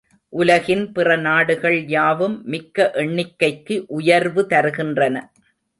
உலகின் பிற நாடுகள் யாவும் மிக்க எண்ணிக்கைக்கு உயர்வு தருகின்றன.